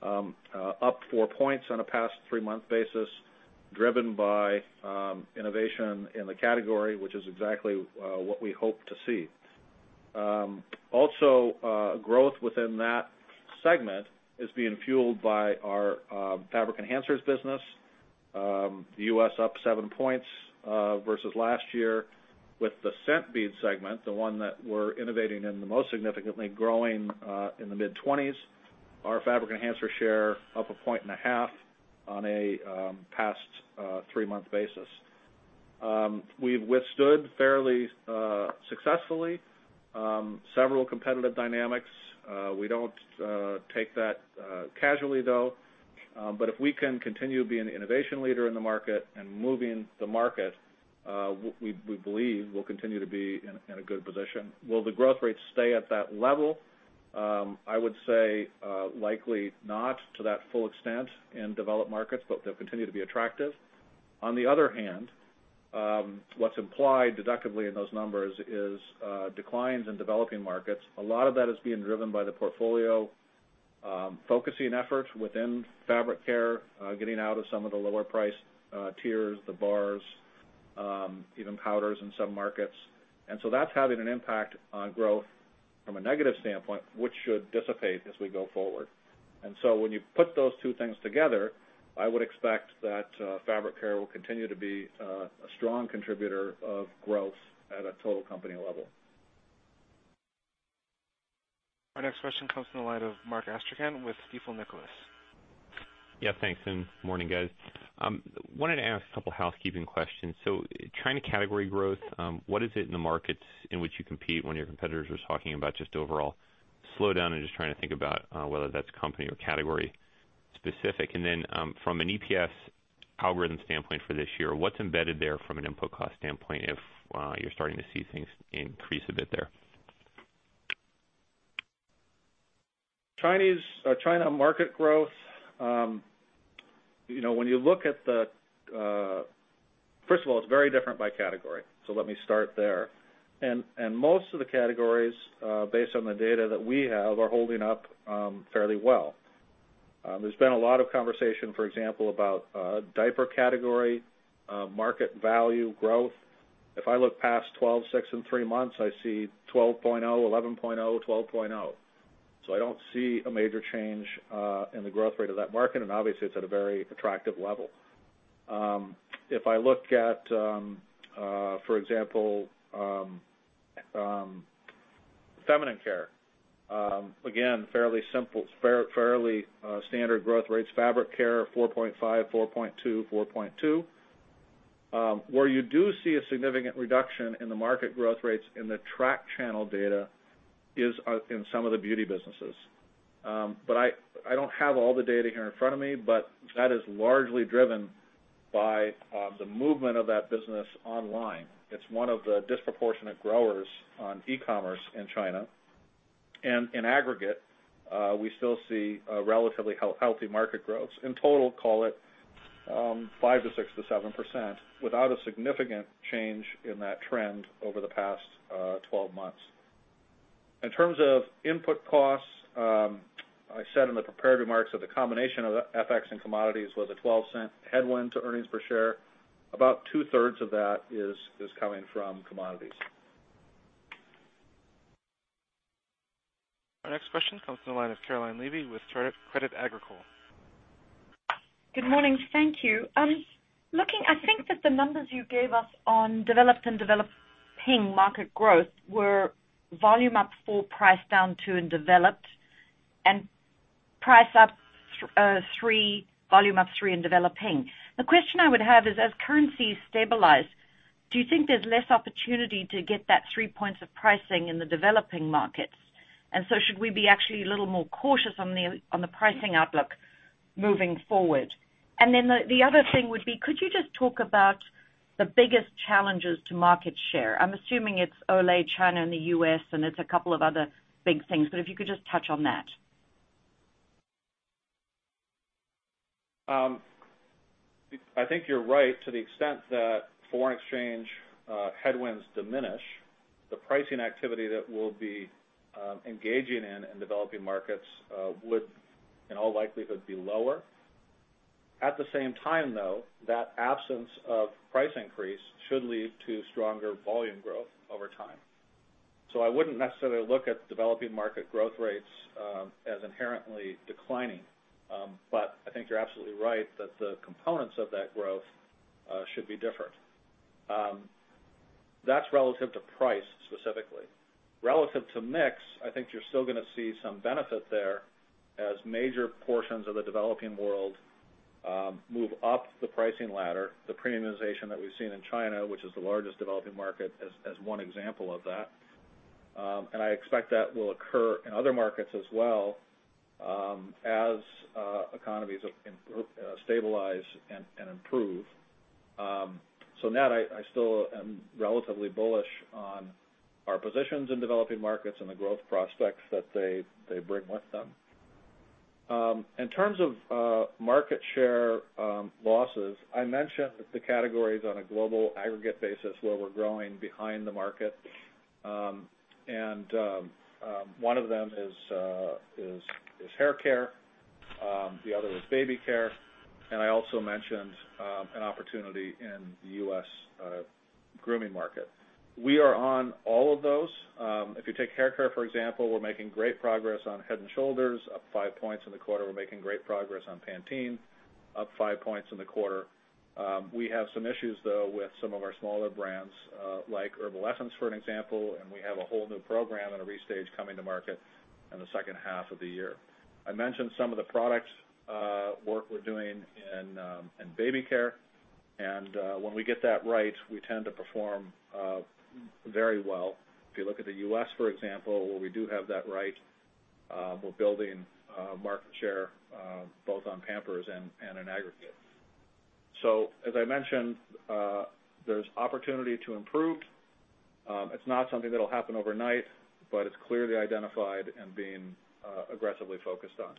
Four points on a past three-month basis, driven by innovation in the category, which is exactly what we hope to see. Also, growth within that segment is being fueled by our fabric enhancers business. The U.S. up seven points versus last year with the scent bead segment, the one that we're innovating in the most significantly, growing in the mid-20s. Our fabric enhancer share up a point and a half on a past three-month basis. We've withstood fairly successfully several competitive dynamics. We don't take that casually, though. If we can continue being the innovation leader in the market and moving the market, we believe we'll continue to be in a good position. Will the growth rates stay at that level? I would say likely not to that full extent in developed markets, but they'll continue to be attractive. On the other hand, what's implied deductibly in those numbers is declines in developing markets. A lot of that is being driven by the portfolio focusing efforts within Fabric Care, getting out of some of the lower price tiers, the bars, even powders in some markets. That's having an impact on growth from a negative standpoint, which should dissipate as we go forward. When you put those two things together, I would expect that Fabric Care will continue to be a strong contributor of growth at a total company level. Our next question comes from the line of Mark Astrachan with Stifel Nicolaus. Thanks, and morning, guys. Wanted to ask a couple housekeeping questions. China category growth, what is it in the markets in which you compete when your competitors are talking about just overall slowdown and just trying to think about whether that's company or category specific? From an EPS algorithm standpoint for this year, what's embedded there from an input cost standpoint if you're starting to see things increase a bit there? China market growth, first of all, it's very different by category. Let me start there. Most of the categories, based on the data that we have, are holding up fairly well. There's been a lot of conversation, for example, about diaper category, market value growth. If I look past 12, six, and three months, I see 12.0%, 11.0%, 12.0%. I don't see a major change in the growth rate of that market. Obviously, it's at a very attractive level. If I look at, for example, feminine care, again, fairly standard growth rates. Fabric Care, 4.5%, 4.2%, 4.2%. Where you do see a significant reduction in the market growth rates in the track channel data is in some of the beauty businesses. I don't have all the data here in front of me, but that is largely driven by the movement of that business online. It's one of the disproportionate growers on e-commerce in China. In aggregate, we still see a relatively healthy market growth. In total, call it 5% to 6% to 7% without a significant change in that trend over the past 12 months. In terms of input costs, I said in the prepared remarks that the combination of FX and commodities was a $0.12 headwind to earnings per share. About two-thirds of that is coming from commodities. Our next question comes from the line of Caroline Levy with CLSA. Good morning. Thank you. I think that the numbers you gave us on developed and developing market growth were volume up 4, price down 2 in developed, and price up 3, volume up 3 in developing. The question I would have is, as currencies stabilize, do you think there's less opportunity to get that 3 points of pricing in the developing markets? Should we be actually a little more cautious on the pricing outlook moving forward? The other thing would be, could you just talk about the biggest challenges to market share? I'm assuming it's Olay China and the U.S., and it's a couple of other big things, but if you could just touch on that. I think you're right to the extent that foreign exchange headwinds diminish. The pricing activity that we'll be engaging in in developing markets would, in all likelihood, be lower. At the same time, though, that absence of price increase should lead to stronger volume growth over time. I wouldn't necessarily look at developing market growth rates as inherently declining. I think you're absolutely right that the components of that growth should be different. That's relative to price, specifically. Relative to mix, I think you're still going to see some benefit there as major portions of the developing world move up the pricing ladder. The premiumization that we've seen in China, which is the largest developing market, as one example of that. I expect that will occur in other markets as well as economies stabilize and improve. In that, I still am relatively bullish on our positions in developing markets and the growth prospects that they bring with them. In terms of market share losses, I mentioned the categories on a global aggregate basis where we're growing behind the market. One of them is hair care. The other was baby care. I also mentioned an opportunity in the U.S. grooming market. We are on all of those. If you take hair care, for example, we're making great progress on Head & Shoulders, up 5 points in the quarter. We're making great progress on Pantene, up 5 points in the quarter. We have some issues, though, with some of our smaller brands, like Herbal Essences, for an example, we have a whole new program and a restage coming to market in the second half of the year. I mentioned some of the products work we're doing in baby care. When we get that right, we tend to perform very well. If you look at the U.S., for example, where we do have that right, we're building market share both on Pampers and in aggregate. As I mentioned, there's opportunity to improve. It's not something that'll happen overnight, but it's clearly identified and being aggressively focused on.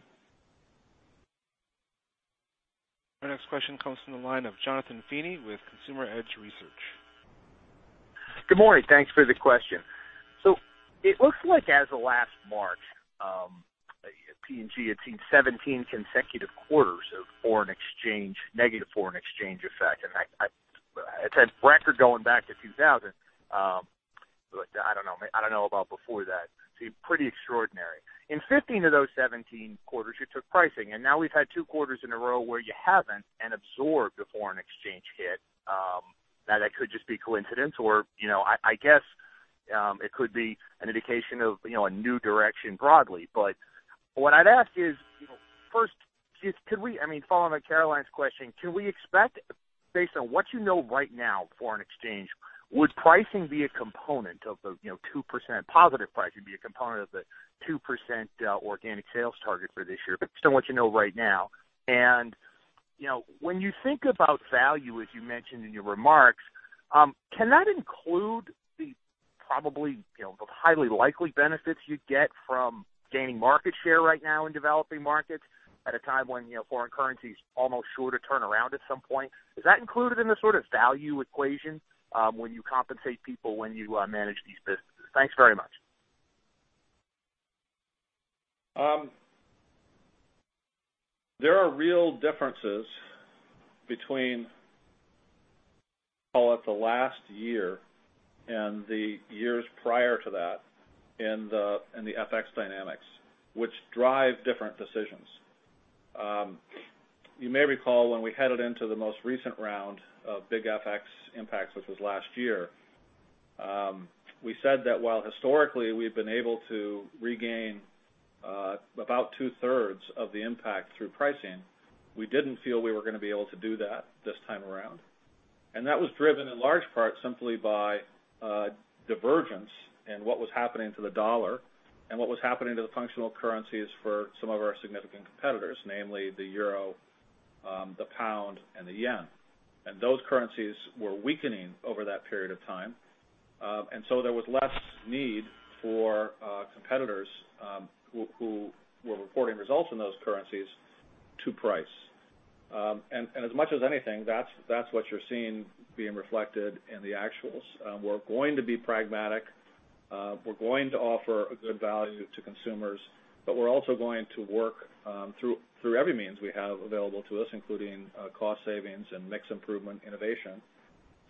Our next question comes from the line of Jonathan Feeney with Consumer Edge Research. Good morning. Thanks for the question. It looks like as of last March, P&G had seen 17 consecutive quarters of negative foreign exchange effect. It's had record going back to 2000. I don't know about before that. Seems pretty extraordinary. In 15 of those 17 quarters, you took pricing, and now we've had two quarters in a row where you haven't and absorbed the foreign exchange hit. That could just be coincidence, or I guess it could be an indication of a new direction broadly. What I'd ask is, first, following on Caroline Levy's question, can we expect, based on what you know right now, foreign exchange, would pricing be a component of the 2% positive pricing, be a component of the 2% organic sales target for this year, based on what you know right now? When you think about value, as you mentioned in your remarks, can that include the probably highly likely benefits you'd get from gaining market share right now in developing markets at a time when foreign currency's almost sure to turn around at some point? Is that included in the sort of value equation when you compensate people, when you manage these businesses? Thanks very much. There are real differences between, call it the last year and the years prior to that in the FX dynamics, which drive different decisions. You may recall when we headed into the most recent round of big FX impacts, which was last year, we said that while historically we've been able to regain about two-thirds of the impact through pricing, we didn't feel we were going to be able to do that this time around. That was driven in large part simply by divergence and what was happening to the dollar and what was happening to the functional currencies for some of our significant competitors, namely the euro, the pound, and the yen. Those currencies were weakening over that period of time. There was less need for competitors who were reporting results in those currencies to price. As much as anything, that's what you're seeing being reflected in the actuals. We're going to be pragmatic. We're going to offer a good value to consumers, we're also going to work through every means we have available to us, including cost savings and mix improvement innovation,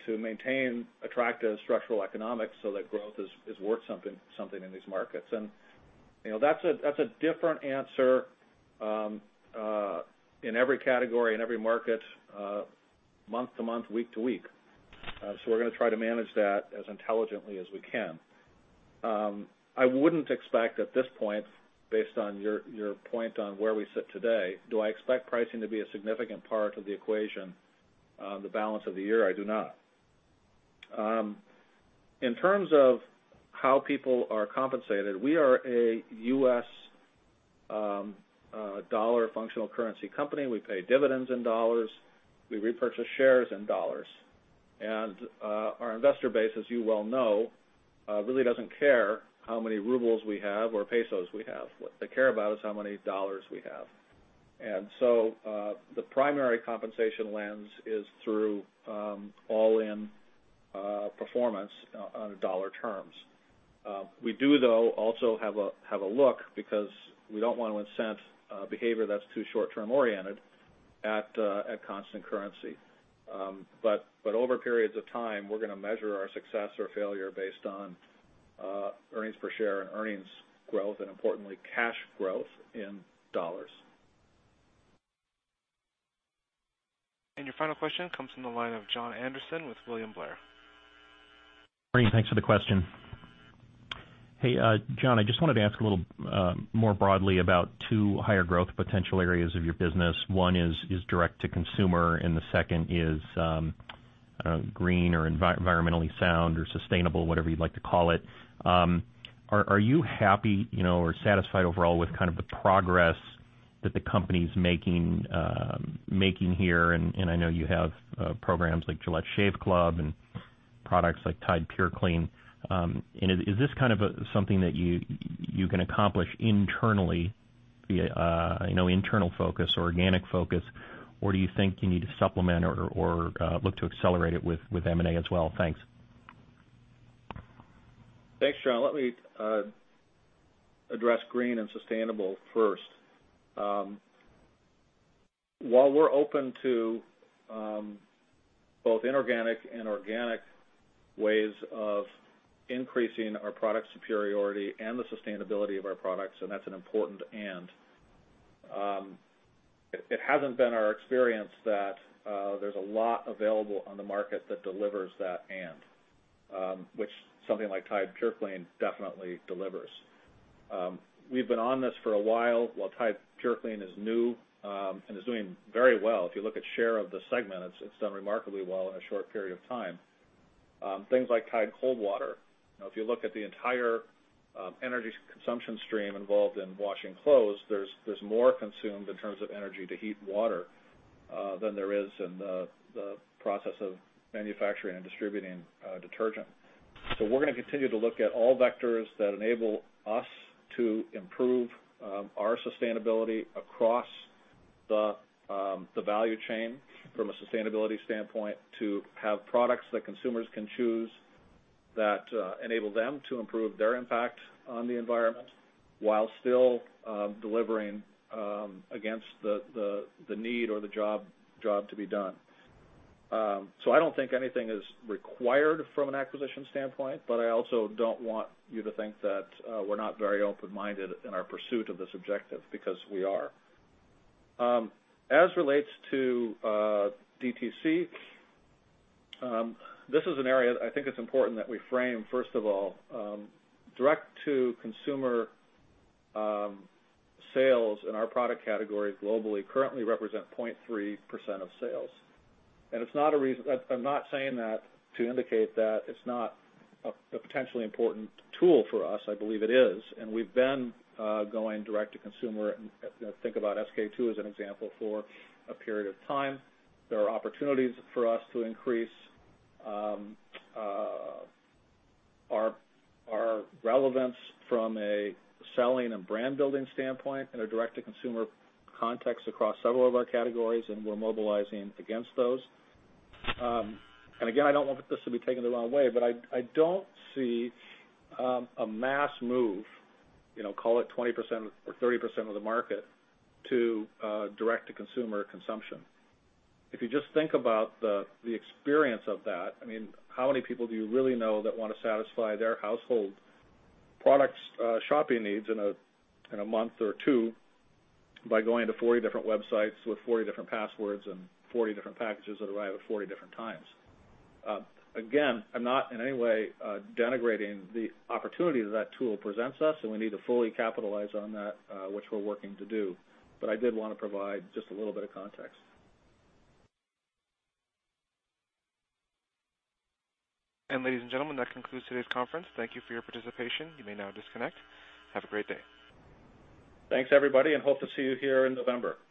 to maintain attractive structural economics so that growth is worth something in these markets. That's a different answer in every category, in every market, month to month, week to week. We're going to try to manage that as intelligently as we can. I wouldn't expect at this point, based on your point on where we sit today, do I expect pricing to be a significant part of the equation the balance of the year? I do not. In terms of how people are compensated, we are a U.S. dollar functional currency company. We pay dividends in $. We repurchase shares in $. Our investor base, as you well know, really doesn't care how many rubles we have or pesos we have. What they care about is how many $ we have. The primary compensation lens is through all-in performance on dollar terms. We do, though, also have a look because we don't want to incent behavior that's too short-term oriented at constant currency. Over periods of time, we're going to measure our success or failure based on earnings per share and earnings growth, and importantly, cash growth in $. Your final question comes from the line of Jon Andersen with William Blair. Morning. Thanks for the question. Hey, Jon, I just wanted to ask a little more broadly about two higher growth potential areas of your business. One is direct to consumer, and the second is green or environmentally sound or sustainable, whatever you'd like to call it. Are you happy or satisfied overall with the progress that the company's making here? I know you have programs like Gillette Shave Club and products like Tide purclean. Is this something that you can accomplish internally via internal focus or organic focus? Or do you think you need to supplement or look to accelerate it with M&A as well? Thanks. Thanks, Jon. Let me address green and sustainable first. While we're open to both inorganic and organic ways of increasing our product superiority and the sustainability of our products. It hasn't been our experience that there's a lot available on the market that delivers that, which something like Tide purclean definitely delivers. We've been on this for a while Tide purclean is new and is doing very well. If you look at share of the segment, it's done remarkably well in a short period of time. Things like Tide Coldwater. If you look at the entire energy consumption stream involved in washing clothes, there's more consumed in terms of energy to heat water than there is in the process of manufacturing and distributing detergent. We're going to continue to look at all vectors that enable us to improve our sustainability across the value chain from a sustainability standpoint to have products that consumers can choose that enable them to improve their impact on the environment while still delivering against the need or the job to be done. I don't think anything is required from an acquisition standpoint, but I also don't want you to think that we're not very open-minded in our pursuit of this objective because we are. As relates to DTC, this is an area I think it's important that we frame, first of all, direct-to-consumer sales in our product category globally currently represent 0.3% of sales. I'm not saying that to indicate that it's not a potentially important tool for us. I believe it is, and we've been going direct to consumer, think about SK-II as an example, for a period of time. There are opportunities for us to increase our relevance from a selling and brand building standpoint in a direct-to-consumer context across several of our categories, and we're mobilizing against those. Again, I don't want this to be taken the wrong way, but I don't see a mass move, call it 20% or 30% of the market, to direct-to-consumer consumption. If you just think about the experience of that, how many people do you really know that want to satisfy their household products shopping needs in a month or two by going to 40 different websites with 40 different passwords and 40 different packages that arrive at 40 different times? Again, I'm not in any way denigrating the opportunity that tool presents us, and we need to fully capitalize on that which we're working to do. I did want to provide just a little bit of context. Ladies and gentlemen, that concludes today's conference. Thank you for your participation. You may now disconnect. Have a great day. Thanks, everybody, and hope to see you here in November.